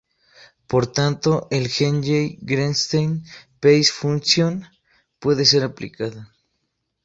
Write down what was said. Por tanto, el Henyey–Greenstein phase function"" puede ser aplicada.